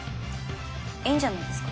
いいんじゃないですか。